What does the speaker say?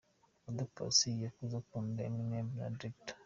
Oda Paccy yakuze akunda Eminem na Dr.